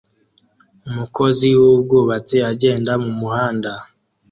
Umukozi wubwubatsi agenda mumuhanda